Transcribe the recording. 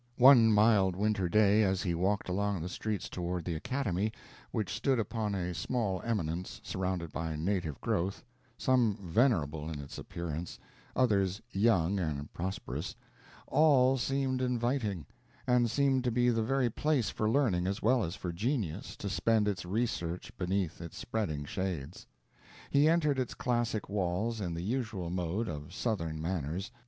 One mild winter day as he walked along the streets toward the Academy, which stood upon a small eminence, surrounded by native growth some venerable in its appearance, others young and prosperous all seemed inviting, and seemed to be the very place for learning as well as for genius to spend its research beneath its spreading shades. He entered its classic walls in the usual mode of southern manners.